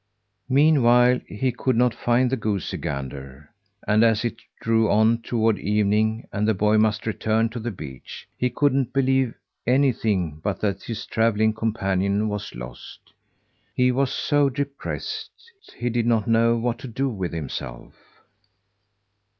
Meanwhile, he could not find the goosey gander; and as it drew on toward evening, and the boy must return to the beach, he couldn't believe anything but that his travelling companion was lost. He was so depressed, he did not know what to do with himself.